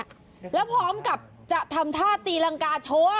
แล้วพร้อมกับจะทำท่าตีรังกาโชว์